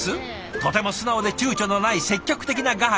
とても素直でちゅうちょのない積極的な画伯！